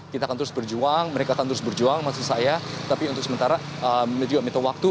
kita akan terus berjuang mereka akan terus berjuang maksud saya tapi untuk sementara juga minta waktu